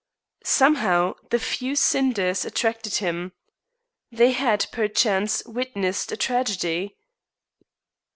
Somehow the few cinders attracted him. They had, perchance, witnessed a tragedy.